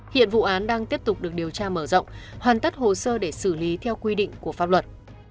hiện vụ án đang tiếp tục được điều tra mở rộng hoàn tất hồ sơ để xử lý theo quy định của pháp luật